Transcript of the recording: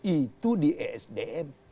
itu di esdm